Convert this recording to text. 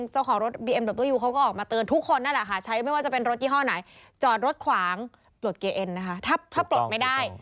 จอดรถขวางตรวจเกียร์เอ็นถ้าปลดไม่ได้